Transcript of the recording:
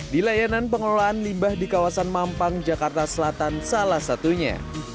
di layanan pengelolaan limbah di kawasan mampang jakarta selatan salah satunya